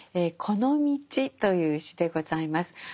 「このみち」という詩でございます。